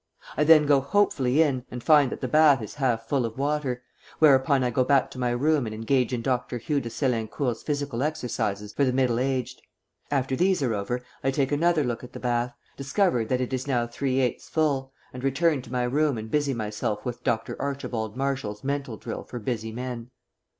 I then go hopefully in and find that the bath is half full of water; whereupon I go back to my room and engage in Dr. Hugh de Sélincourt's physical exercises for the middle aged. After these are over I take another look at the bath, discover that it is now three eighths full, and return to my room and busy myself with Dr. Archibald Marshall's mental drill for busy men.